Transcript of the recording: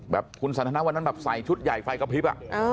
คุณสันทนาวันนั้นแบบใส่ชุดใหญ่ไฟกระพริบ